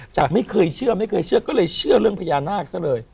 ไม่เคยเชื่อไม่เคยเชื่อก็เลยเชื่อเรื่องพญานาคซะเลย